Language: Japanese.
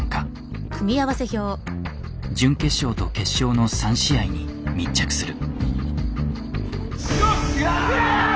準決勝と決勝の３試合に密着する。